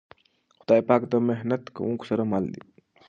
خدای پاک د محنت کونکو سره مل دی.